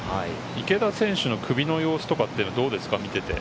池田選手の首の様子はどうですか？